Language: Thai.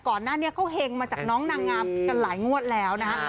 ก่อนหน้านี้เขาเห็งมาจากน้องนางงามกันหลายงวดแล้วนะฮะ